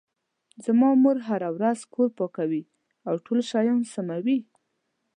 زما مور هره ورځ کور پاکوي او ټول شیان سموي